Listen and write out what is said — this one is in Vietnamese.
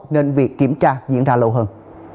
nên việc kiểm tra diễn ra lâu hơn